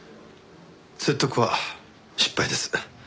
説得は失敗です。